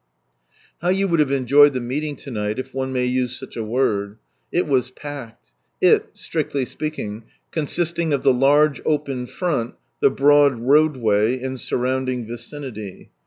How you would have enjoyed the meeting to night, if one may use such a word. It was packed j " it," sirictly speaking, consisting of the large open front, the broad roadway, and surrounding vicinity.